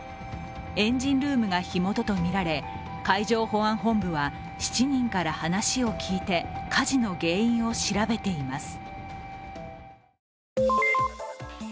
エンジンルームが火元とみられ海上保安本部は７人から話を聞いて火事の原因を調べています。